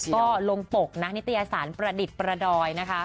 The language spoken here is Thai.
ก็ลงปกนะนิตยสารประดิษฐ์ประดอยนะคะ